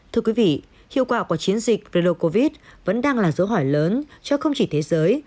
thưa quý vị hiệu quả của chiến dịch relocov vẫn đang là dấu hỏi lớn cho không chỉ thế giới